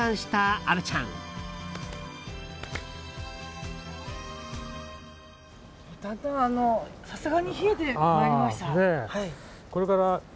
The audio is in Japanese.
だんだんさすがに冷えてまいりました。